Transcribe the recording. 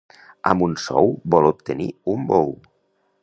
Amb un sou vol obtenir un bou.